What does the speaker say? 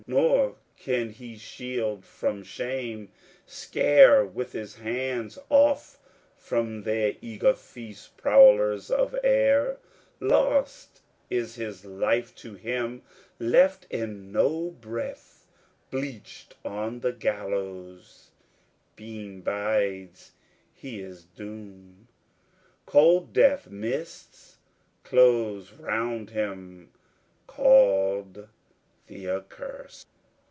Nor can he shield from shame, scare with his hands, Off from their eager feast prowlers of air. Lost is his life to him, left is no breath, Bleached on the gallows beam bides he his doom; Cold death mists close round him called the Accursed.